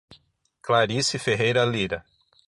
Clarice Ferreira Lyra